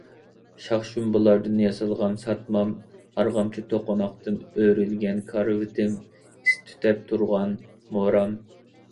شاخ - شۇمبىلاردىن ياسالغان ساتمام، ئارغامچا - توقۇناقتىن ئۆرۈلگەن كارىۋىتىم، ئىس تۈتەپ تۇرغان مورام